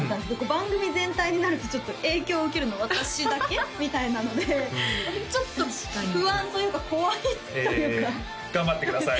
番組全体になるとちょっと影響受けるの私だけみたいなのでちょっと不安というか怖いというかえ頑張ってください